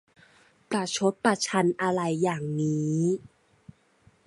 ประชดประชันอะไรอย่างนี้ !